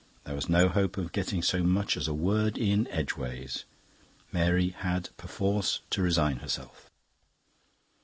There was no hope of getting so much as a word in edgeways; Mary had perforce to resign herself.